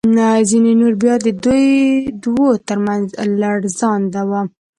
ځینې نور بیا د دې دوو تر منځ لړزانده وو.